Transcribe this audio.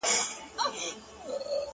و چاته تڼۍ خلاصي کړه گرېوالنه سرگردانه’